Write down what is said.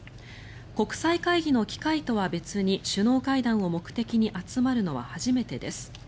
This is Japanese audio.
国際会議の機会とは別に首脳会談を目的に集まるのは初めてです。